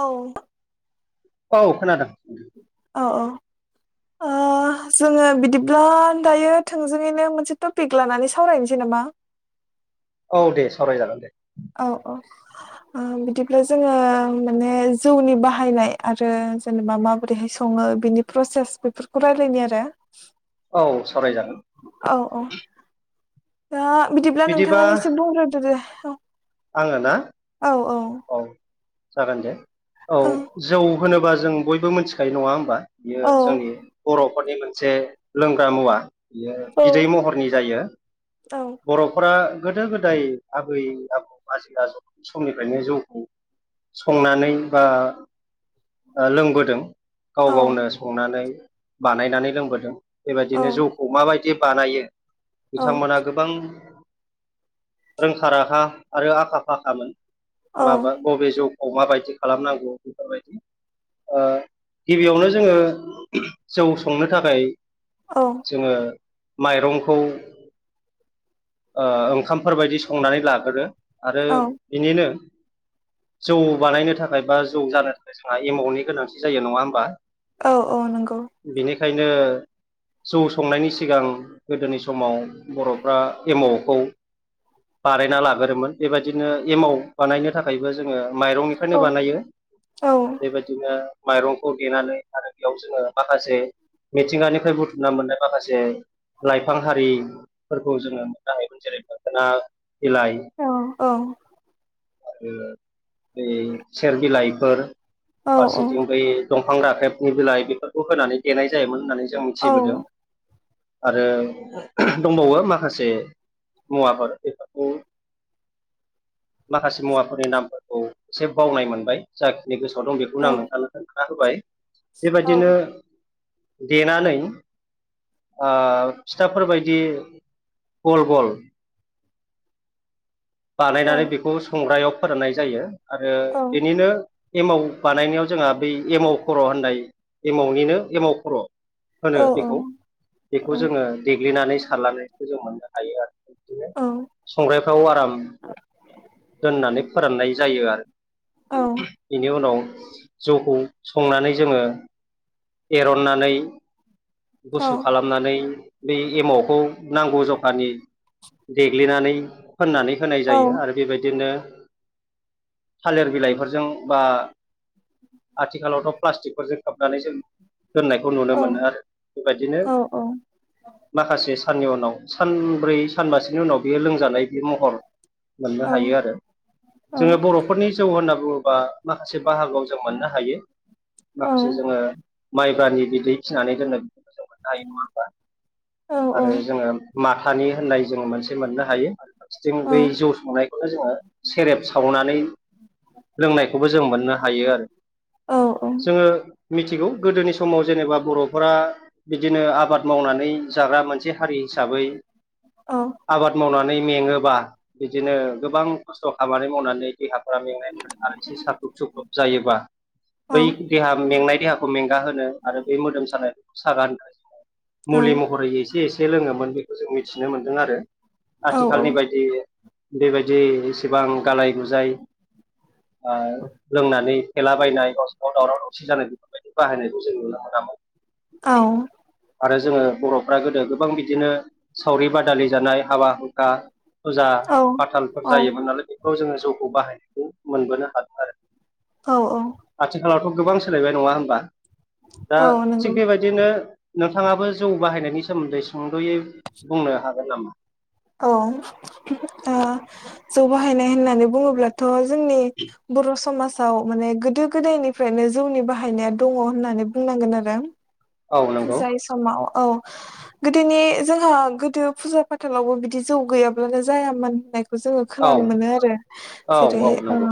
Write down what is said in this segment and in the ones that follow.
औ औ खोनादों अ औ ओ ओ जोङो बिदिब्ला दायो थोंजोङैनो मोनसे टपिक लानानै सावरायनोसै नामा [unintelligible] औ दे सावराय जागोन दे औ औ ओ बिदिब्ला जोङो माने जौनि बाहायनाय आरो जेनेबा माबोरैहाय सङो उङो बिनि प्रसेस बेफोरखौ रायलायनि आरो। औ सावरायजागोन। औ औ दा बिदिब्ला नोंथांङानो एसे बुंग्रोदो दे औ। आंङो ना औ जागोन दे औ जौ। होनोबा जों बयबो मिन्थिखायो नंङा होमबा बियो औ जोंनि बरब नखरनि मोनसे लोंग्रा मुवा बियो औ बिदै महरनि जायो। औ बर'फोरा। गोदो गोदाय आबै आबौ आजै आजौ समनिफ्रायनो जौखौ संनानै बा ओ लोंबोदों। गाव औ गावनो संनानै बानायनानै लोंबोदों बेबादिनो जौखौ माबाय दि बानायो औ बिथांमोना। गोबां रोंखा राखा आरो आखा फाखामोन। औ माबा बबे जौखौ माबायदि खालामनांगौ बेफोरबायदि। ओ गिबियावनो जोंङो जौ संनो थाखाय, जोंङो माइरंखौ ओ ओंखामफोरबायदि संनानै लागोरो आरो औ बिनिनो जौ बानायनो थाखाय बा जौ जानो थाखाय जोंहा एमाउनि गोनांथि जायो नंङा होमबा? औ औ नोंगौ। खायनो जौ संनायनि सिगां गोदोनि समाव बर'फ्रा। एमावखौ बानायना लागोरोमोन बेबायदिनो एमाव बानायनो थाखायबो जोंङो। माइरंनिफायनो औ बानायो औ बेबायदिनो माइरंखौ देनानै आरो बेयाव जोंङो माखासे मिथिंगानिफ्राय बुथुमना मोननाय माखासे लाइफां हारिफोरखौ जोंङो गाहाय जेरै मोखोना बिलाइ। औ औ आरो बै सेर बिलाइफोर औ फारसेथिं बै दं फां राखेबनि बिलाइ बेफोरखौ होनानै देनाय जायोमोन होननानै जों औ मिथिबोदों। आरो दंबावो माखासे। मुवाफोर बेफोरखौ। माखासे मुवाफोरनि नामफोरखौ एसे बावनाय मोनबाय जाखिनि गोसो आव दं बेखौनो आं औ नोंथांनो खोन्थानाहोबाय बेबायदिनो। औ देनानै ओ फिथाफोरबायदि। गल गल बानायनानै औ बेखौ संग्रायाव फोराननाय जायो। आरो औ बेनिनो। एमाव बानायनायाव जोंङो बै एमाव खर' होननाय एमावनिनो एमाव खर'। औ होनो बेखौ औ औ बेखौ जोंङो देग्लिनानै सारलानायखौ जों मोननो हायो आरो दिनो औ संग्रायफ्राव आराम दोननानै फोराननाय जायो आरो। औ बेनि उनाव जौखौ संनानै जोंङो। एरननानै। गुसु औ औ खालामनानै बे एमावखौ नांगौ ज देग्लिनानै फोननानै होनाय औ जायो आरो बेबायदिनो। थालिर बिलाइफोरजों बा। आथिखालावथ प्लास्टिकफोरजों खोबनानै जों दोननायखौ नुनो औ मोनो आरो बेबायदिनो औ माखासे साननि उनाव। सानब्रै सानमासेनि उनाव बेयो लोंजानाय बे महर। मोननो हायो आरो जोंङो बर'फोरनि जौ होनना बुंङोबा माखासे बाहागोआव जों मोननो हायो मासे जोंङो माइब्रानि। बिदै खिनानै दोननो बेखौनो जों मोननो हायो नंङा होमबा आरो जोंङो माथानि। होननाय जोंङो मोनसे मोननो हायो। थिथिं बै जौ संनायखौनो जोंङो सेरेब सावनानै। लोंनायखौबो जों मोननो हायो आरो। जोंङो मिथिगौ गोदोनि समाव जेनेबा बर'फोरा बिदिनो आबाद मावनानै जाग्रा मोनसे हारि हिसाबै आबाद मावनानै मेङोबा बिदिनो गोबां खस्थ' खामानि मावनानै देहाफोरा मेंनाय आरो एसे साख्खुब सुख्लखुब जायोबा बै देहा मेंनाय देहाखौ में गा होनो आरो बे मोदोम सानाय सागा होनो मुलि महरै एसे एसे लोङोमोन खौ जों मिथिनो मोनदों आरो औ आथिखालनि बायदि बेबायदि एसेबां गालाय गुजाय आ लोंनानै फेलाबायनाय गावजों गाव दावराव दावसि जानाय बेफोरबायदि बाहायनायखौ जों नुनो मोना [unintelligible] औ आरो जोङो बर'फ्रा गोदो गोबां बिदिनो सावरि बादालि जानाय हाबा हुंखा फुजा औ फाथालफोर जायोमोन नालाय बेफोराव जोङो जौखौ बाहायनायखौ मोनबोनो हादों आरो औ औ आथिखालावथ' गोबां सोलायबाय नङा होनबा दा औ नंगौ थिग बेबायदिनो नोंथाङाबो जौ बाहायनायनि सोमोन्दै सुंद'यै बुंनो हागोन नामा? औ ओ जौ बाहायनाय होननानै बुङोब्लाथ' जोंनि बर' समाज आव माने गोदो गोदायनिफ्रायनो जौनि बाहायनाया दङ होननानै बुंनांगोन आरो औ नंगौ जाय समाव औ गोदोनि जोंहा गोदो फुजा फाथालावबो बिदि जौ गैयाब्लानो जायामोन होननाय जोङो औ खोनानो मोनो आरो औ जेरै औ ओ नंगौ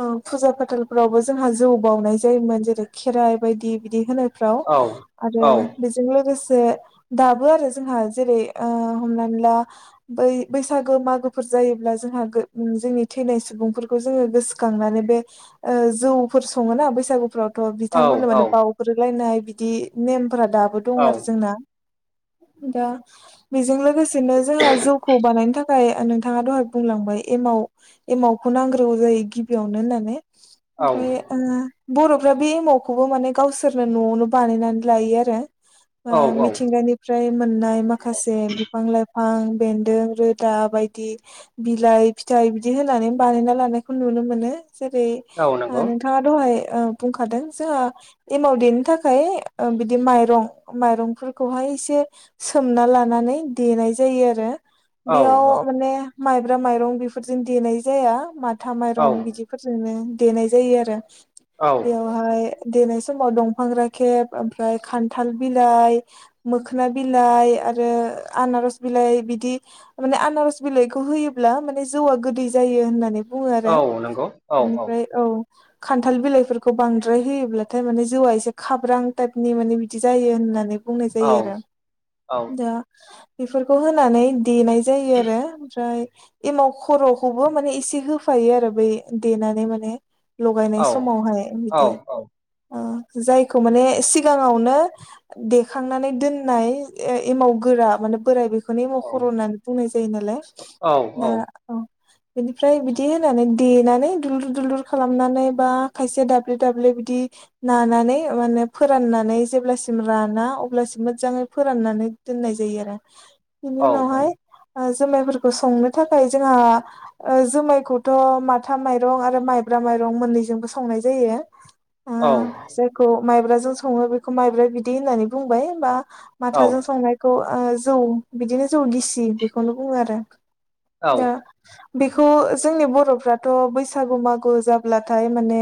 औ फुजा फाथालफोरावबो जोंहा जौ बावउनाय जायोमोन जेरै खेराइ बायदि बिदि होनो फ्राव औ आरो औ बे लोगोसे दाबो आरो जोंहा जेरै ओ हमनानै ला बै बैसागो मागो फोर जायोब्ला जोंनि थैनाय सुबुंफोरखौ जों गोसोखांनानै बे जौ फोर सङोना बैसागुफ्राव थ' औ बिथांमोननो माने औ बावउग्रोलायनाय बिदि नेमफोरा दाबो दं आरो जोंना दा बेजों लोगोसेनो जोंहा जौखौ बानायनो थाखाय [unintelligible] नोंथाङा दहाय बुंलांबाय एमाव एमाव खौ नांग्रोगौ जायो गिबियावनो होननानै औ ओमफ्राय ओ बर'फ्रा बे एमावखौबो माने गावसोरनो न'आवनो बानायनानै लायो आरो ओ औ मिथिंगानिफ्राय मोननाय माखासे बिफां लाइफ ओ बिफां बेन्दों रोदा बायदि बिलाइ फिथाइ बिदि होनानै बानायना लानायखौ नुनो मोनो। जेरै औ आ नंगौ नोंथाङा ओ दहाय बुंखादों जोंहा एमाव देनो थाखाय ओ बिदि माइरं माइरंफोरखौहाय इसे सोमना लानानै देनाय जायो आरो। औ बेयाव औ माने माइब्रा माइरं बेफोरजों देनाय जाया मा था औ माइरं बिदिफोरजोंनो देनाय जायो आरो औ बेयावहाय देनाय समाव दंफां राखेब ओमफ्राय खान्थाल बिलाइ मोखोना बिलाइ आरो आनारस बिलाइ बिदि माने आनारस बिलाइखौ होयोब्ला माने जौआ गोदै जायो होननानै बुङो औ आरो नंगौ औ बेनिफ्राय औ। खान्थाल बिलाइफोरखौ बांद्राय होयोब्लाथाय माने जौआ एसे खाब्रां टाइपनि माने बिदि जायो होननानै बुंनाय औ जायो आरो दा बेफोरखौ होनानै देनाय जायो आरो ओमफ्राय एमाव खर'खौबो माने एसे होफायो आरो बै देनानै माने लगायनाय औ समावहाय औ बिदि ओ जायखौ माने सिगाङावनो देखांनानै दोननाय ए एमाव गोरा माने बोराय बे बेखौनो मखर' होननानै बुंनाय जायो नालाय दा औ बेनिफ्राय बिदि होनानै देनानै दुलुर दुलुर खालामनानै बा खायसे दाब्ले दाब्ले बिदि नानानै माने फोराननानै जेब्लासिम राना अब्लासिम मोजाङै फोराननानै दोननाय जायो आरो। बिनि उनावहाय ओ जुमायफोरखौ संनो थाखाय जोंहा ओ जुमायखौथ' माथा माइरं आरो माइब्रा माइरं मोननैजोंबो संनाय जायो। ओ जायखौ माइब्राजों सङो बेखौ माइब्रा बिदै होननानै बुंबाय बा माथाजों संनायखौ ओ जौ बिदिनो जौ गिसि बेखौनो बुङो आरो। दा बेखौ जोंनि बर'फ्राथ' बैसागु मागु जाब्लाथाय माने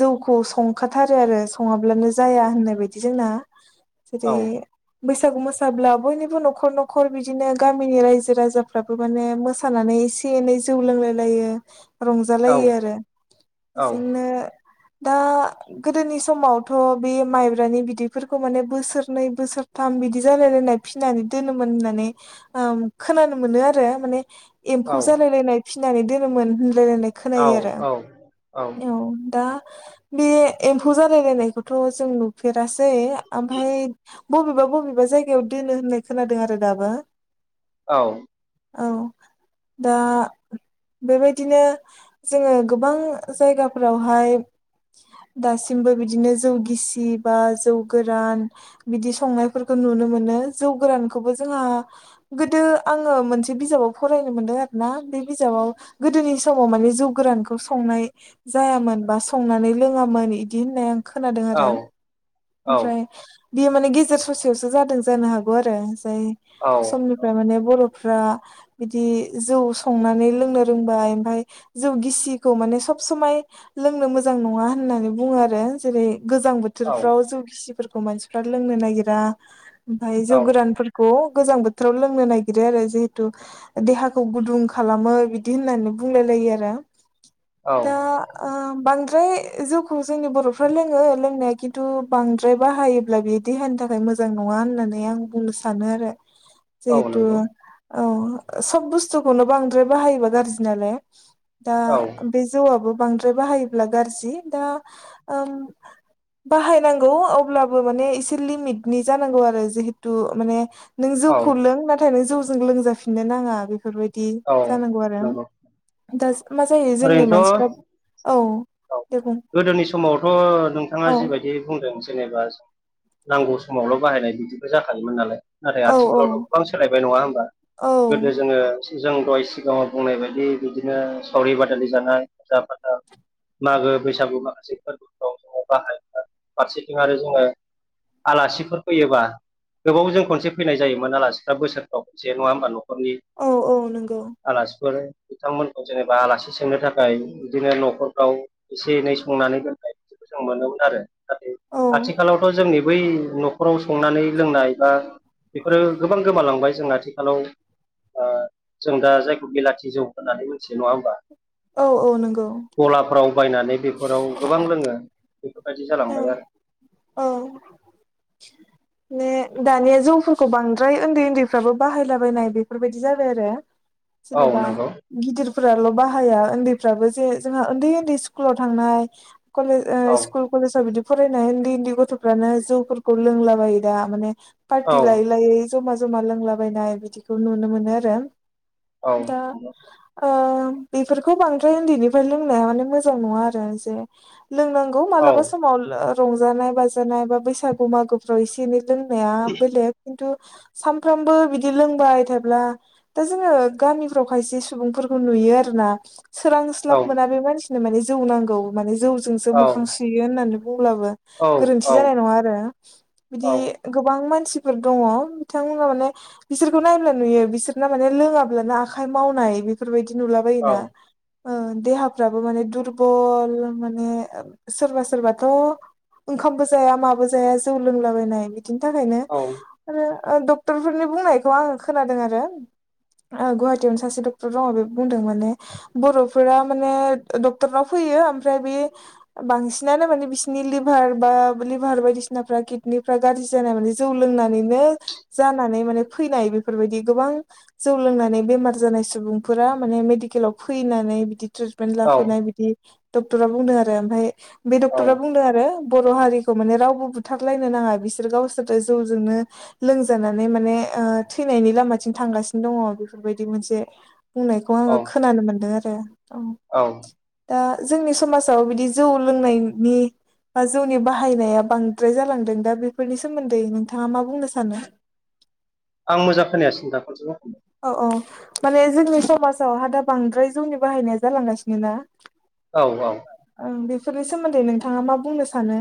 जौखौ संखाथारो आरो सङाब्ला ल्बानो जाया होननाय बायदि जोंना जेरै बैसागु मोसाब्ला बयनिबो न'खर न'खर बिदिनो गामिनि रायजो राजाफ्राबो माने मोसानानै एसे एनै जौ लोंलाय लायो रंजालायो आरो बेजोंनो दा गोदोनि समाव थ' बे माइब्रानि बिदैफोरखौ माने बोसोरनै बोसोरथाम बिदि जालायलायनाय फिनानै दोनोमोन होननानै ओ खोनानो मोनो आरो माने एम्फौ जालाय लायनाय फिनानै दोनोमोन खोन आरो औ दा बे एम्फौ जालायनाय थ' जों नुफेरासै ओमफ्राय बबेबा बबेबा जायगायाव दोनो होननाय खोनादों आरो दा दाबो। औ औ दा बेबायदिनो जोङो गोबां जायगाफोरावहाय दासिमबो बिदिनो जौ गिसि बा जौ गोरान बिदि संनायफोरखौ नुनो मोनो जौ गोरानखौबो जों जों गोदो आङो मोनसे बिजाबाव फरायनो मोनदों आरोना बे बिजाबाव गोदोनि समाव माने जौ गोरानखौ संनाय जायामोन बा संनानै लोङामोन बिदि होननाय आं खोनादों आरो ओमफ्राय बियो माने गेजेर ससेयावसो जादों जानो हागौ आरो। सम निफ्राय माने बर फ्रा बिदि जौ संनानै लोंनो रोंबाय ओमफ्राय जौ गिसि मान स सब समाय लोंनो मोजां नङा होननानै बुङो आरो। जेरै गोजां बोथोरफ्राव जौ गिसिफोरखौ मानसिफ्रा लोंनो नागिरा ओमफ्राय जौ गोरानफोरखौ गोजां बोथोराव लोंनो नागिरो आरो जिहेतु देहाखौ गुदुं खालामो बिदि होननानै बुंल औ दा ओ बांद्राय जोवखौ जोंनि बर फ्रा लोङो लोंनाया खिन्थु बांद्राय बाहायोब्ला बेयो देहानि थाखाय मोजां नङा होननानै आं बुंनो सानो आरो औ नंगौ जिहेथु औ सब बुस्थुखौनो बांद्राय बाहायोबा गाज्रि नालाय। दा औ बे जौआबो बांद्राय बाहायोब्ला गाज्रि दा ओम बाहायनांगौ अब्लाबो माने एसे लिमिटनि जानांगौ आरो जिहेतु माने नों जौखौ लों नाथाय नों जौजों लोंजाफिननो नाङा बेफोरबायदि बिदि औ जानांगौ आरो नंगौ दा मा जायो जोंनि मानसिफ्रा ओरैनोथ' औ। औ दे बुं गोदोनि समावथ' नोंथाङा औ जिबायदि बुंदों जेनेबा नांगौ समावल' बाहायनाय बिदिबो जाखायोमोन नालाय। नाथाय औ औ आथिखालावथ' गोबां सोलायबाय नङा होमबा औ गोदो जोङो जों दहाय सिगाङाव बुंनाय बायदि बिदिनो सावरि बादालि जानाय फुजा फाथा मागो बैसागु माखासे फोरबोफ्राव जोङो बाहाय फारसेथिं आरो जोङो आलासिफोर फैयोबा गोबाव जों खनसे फैनाय जायोमोन आलासिफ्रा बोसोरफ्राव खनसे नङा होमबा न नखरनि औ औ नंगौ आलासिफोर बिथांमोनखौ जेनेबा आलासि सोंनो थाखाय बिदिनो न'खर आव एसे एनै संनानै दोननाय बिदिखौ जों मोनोमोन आरो नाथाय औ आथिखालावथ' जोंनि बै न'खराव संनानै लोंनाय बा बेफोरो गोबां गोमालांबाय जोंना आथिखालाव ओ जों दा जायखौ बिलाथि जौ होननानै मिथियो नङा होमबा? औ औ नोंगौ। गलाफोराव बायनानै बेफोराव गोबां लोङो। बेफोरबायदि औ जालांबाय आरो औ ने दानिया जौफोरखौ बांद्राय ओन्दै ओन्दैफ्राबो बाहायलाबायनाय बेफोरबायाददि जाबाय आरो। औ जेनेबा नंगौ गिदिर फोराल' बाहाया ओनदैफ्राबो जे जोंहा ओन्दै ओन्दै स्कुलाव थांनाय कलेज ओ औ स्कुल जा बिदि फरायनाय ओन्दै ओन्दै गथ'फोरानो जौफोरखौ लोंला बायो दा माने औ पारटि लायै लायै जमा जमा लोंलाबायनाय बिदिखौ नुनो मोनो आरो औ दा नंगौ ओं बेफोरखौ बांद्राय उन्दैनिफ्राइ लोंनाया माने मोजां नोङा आरो जे। लोंनांगौ औ मालाबासो ओ रंजानाय बाजानाय बा बैसागो मागोफोराव एसे एनै लोंनाया बेलेग किनटु सानफ्रामबो बिदि लोंबाय थायोब्ला दा जोङो गामिफ्राव खायसे सुबुंफोरखौ नुयो। यो आरो ना। सोरांस्लाब औ मोना बे मानसिनो माने जौ नांगौ माने जौजोंसो औ मोखां सुयो होननानै बुंब्लाबो औ गोरोन्थि जानाय नङा आरो औ बिदि गोबां मानसि फोर दङ बिथांमोना माने बिसोरखौ नायब्ला नुयो बिसोरना माने लोङाब्लानो आखाइ मावनाय बेफोरबायदि। दि नुला बायोना ओ देहाफ्राबो माने दुरबल माने ओब सोरबा सोरबाथ' ओंखामबो जाया माबो जाया जौ लोंलाबायनाय बि दिन थाखायनो औ आरो ओ डक्टरफोरनि बुंनायखौ आङो खोनादों आरो। ओ गुवाहाटियावनो सासे डक्टर दङ बे बुंदों माने बर'फोरा माने डक्टरनाव फै फैयो ओमफ्राय बे बांसिनानो माने बिसिनि लिभार बा लिभार बायदिसिनाफ्रा किडनिफ्रा गाज्रि जानाय माने जौ लों नानैनो जानानै माने फैनाय बेफोरबायदि गोबां जौ लोंनानै बेमार जानाय सुबुं फोरा माने मेडिकेलाव फैनानै बिदि ट्रिटमेन्ट लाफैनाय बिदि डक्टरा बुंदों आरो ओमफाय बे औ डक्टरा बुंदों आरो बर' हारिखौ माने रावबो बुथारलायनो नाङा बिसोर गावसोरो जौजोंनो लोंजानानै माने ओ थैनायनि लामाथिं थांगासिनो दङ बेफोरबायदि मोनसे बुंनायखौ आङो औ खोनानो मोनदों आरो औ दा जोंनि समाजाव बिदि जौ लोंनायनि बा जौनि बाहायनाया बांद्राय जालांदों दा बेफोरनि सोमोन्दै नोंथाङा मा बुंनो सानो? [inaudible] आं मोजां खोनायासै नोथां खनसेल' बुफिनलाय। औ औ माने जोंनि समाजावहा दा बांद्राय जौनि बाहायनाया जालांगासिनो ना। औ औ। फोरनि सोमोन्दै नोंथाङा मा बुंनो सानो?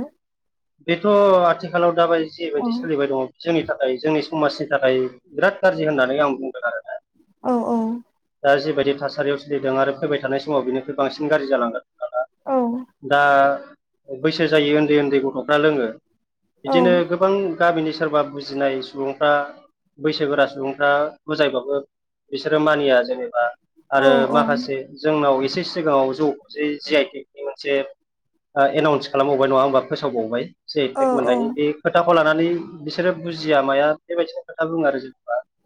बेथ' आथिखालाव दाबायदि औ जिबायदि सोलिबाय दङ जोंनि थाखाय जोंनि समाजनि थाखाय बिराद गाज्रि होननानै आं बुंदों आरोना। औ औ। दा जिबायदि थासारियाव सोलिदों आरो फैबाय थानाय समाव बिनिख्रुइ बांसिन गाज्रि जालांगोन। थाङा औ दा बैसो जायो ओन्दै ओन्दै गथ'फ्रा लोङो। बिदिनो गोबां गामिनि सोरबा बुजिनाय सुबुंफ्रा बैसोगोरा सुबुंफ्रा बुजायबाबो बिसोरो मानिया जेनेबा औ आरो माखासे जोंनाव ए से सिगाङाव जौ जे जि आइ टेग नि मोनसे ओ एनाउन्स खालामबावबाय नङा होमबा फोसावबावबाय जे औ टेग औ मोननायनि बे खोथा खौ लानानै बिसोरो बुजिया माया बेबायदिनो खोथा बुङो आरो जेन'बा